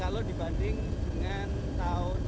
kalau dibandingkan dengan tahun dua ribu sepuluh